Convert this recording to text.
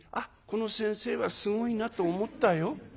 この先生はすごいなと思ったよ」。